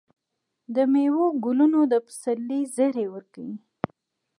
د میوو ګلونه د پسرلي زیری ورکوي.